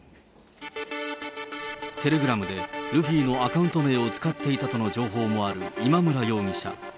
テレグラムで、ルフィのアカウント名を使っていたとの情報もある今村容疑者。